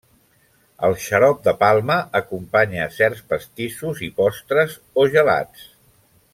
El xarop de palma acompanya certs pastissos i postres o gelats.